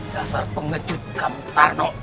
dasar pengecut kamtarno